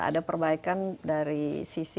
ada perbaikan dari sisi